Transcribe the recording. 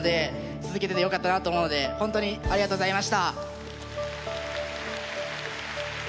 続けててよかったなと思うのでほんとにありがとうございました。